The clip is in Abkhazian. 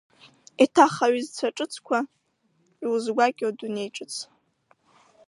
Еиҭах аҩызцәа ҿыцқәа, иузгәакьоу адунеи ҿыц…